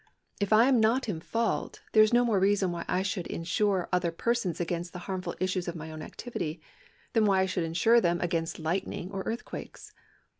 If I am not in fault, there is no more reason why I should insure other persons against the harmful issues of my own activity, than why I should insure them against lightning or earth quakes.